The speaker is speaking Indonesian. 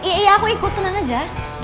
iya aku ikut tenang aja